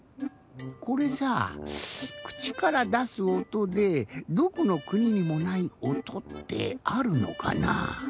これさぁくちからだすおとでどこのくににもないおとってあるのかなぁ？